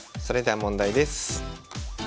それでは問題です。